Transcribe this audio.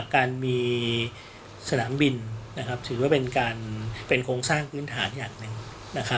การมีสนามบินถือว่าเป็นโครงสร้างพื้นฐานอย่างหนึ่ง